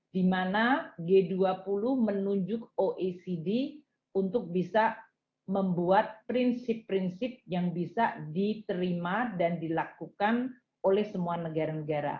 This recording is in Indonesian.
di mana g dua puluh menunjuk oecd untuk bisa membuat prinsip prinsip yang bisa diterima dan dilakukan oleh semua negara negara